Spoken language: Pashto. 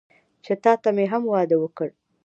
چې تاته مې هم واده وکړ.